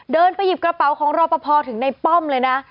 เดินไปหยิบกระเป๋าของรอปภถึงในป้อมเลยนะ